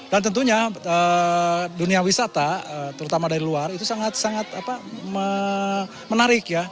dan tentunya dunia wisata terutama dari luar itu sangat sangat menarik ya